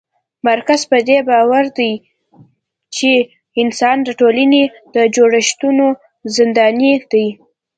مارکس پدې باور دی چي انسان د ټولني د جوړښتونو زنداني دی